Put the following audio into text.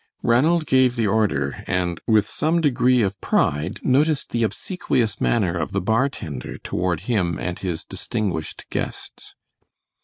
Ranald gave the order, and with some degree of pride, noticed the obsequious manner of the bar tender toward him and his distinguished guests.